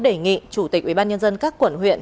đề nghị chủ tịch ủy ban nhân dân các quận huyện